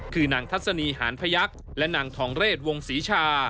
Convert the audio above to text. คือนางทัศนีหานพยักษ์และนางทองเรศวงศรีชา